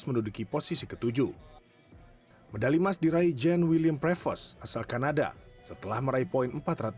medali emas diraih jen william prevost asal kanada setelah meraih poin empat ratus delapan puluh